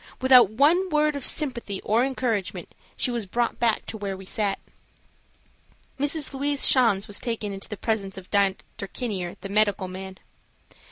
Without one word of sympathy or encouragement she was brought back to where we sat. Mrs. Louise Schanz was taken into the presence of Dr. Kinier, the medical man.